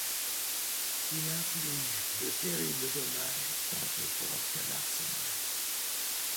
Il inflige de terribles dommages tant au port qu'à l'arsenal.